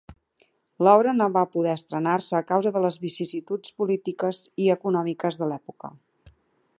L'obra no va poder estrenar-se a causa de les vicissituds polítiques i econòmiques de l'època.